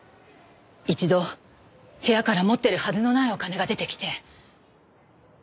一度部屋から持ってるはずのないお金が出てきて。